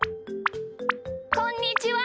こんにちは。